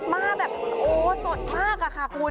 มาแบบโอ้สดมากอะค่ะคุณ